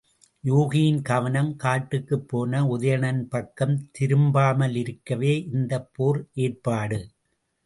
யூகியின் கவனம் காட்டுக்குப் போன உதயணன் பக்கம் திரும்பாமலிருக்கவே இந்தப் போர் ஏற்பாடு.